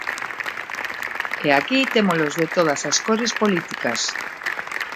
E aquí témolos de todas as cores políticas.